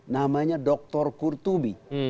namanya dr kurtubi